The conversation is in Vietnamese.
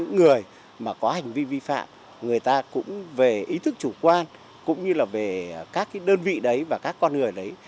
những người mà có hành vi vi phạm người ta cũng về ý thức chủ quan cũng như là về các đơn vị đấy và các con người đấy